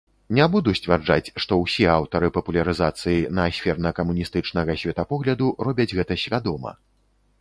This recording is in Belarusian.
Не буду сцвярджаць, што ўсе аўтары папулярызацыі наасферна-камуністычнага светапогляду робяць гэта свядома.